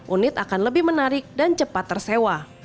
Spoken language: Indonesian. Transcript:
unit akan lebih menarik dan cepat tersewa